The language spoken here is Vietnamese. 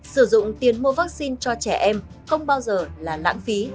sử dụng tiền mua vaccine cho trẻ em không bao giờ là lãng phí